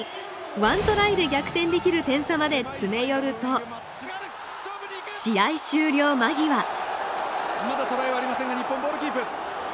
ワントライで逆転できる点差まで詰め寄ると試合終了間際まだトライはありませんが日本ボールキープ。